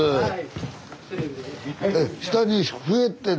はい。